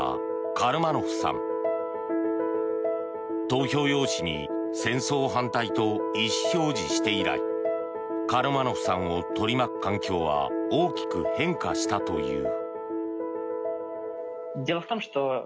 投票用紙に戦争反対と意思表示して以来カルマノフさんを取り巻く環境は大きく変化したという。